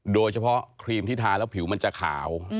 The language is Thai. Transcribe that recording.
โดยเฉพาะครีมที่ทาแล้วผิวมันจะขาว